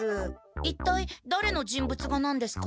一体だれの人物画なんですか？